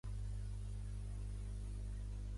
És a la vora del riu Turà, un afluent del riu Tobol.